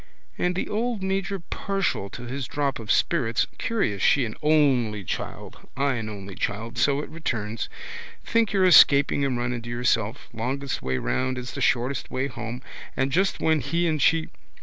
And the old major, partial to his drop of spirits. Curious she an only child, I an only child. So it returns. Think you're escaping and run into yourself. Longest way round is the shortest way home. And just when he and she.